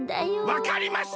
わかりました！